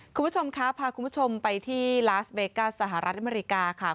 คุณผู้ชมครับพาคุณผู้ชมไปที่ลาสเบก้าสหรัฐอเมริกาค่ะ